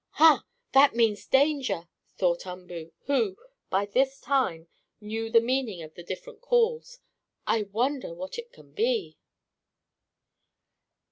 "Ha! That means danger!" thought Umboo, who, by this time knew the meaning of the different calls. "I wonder what it can be?"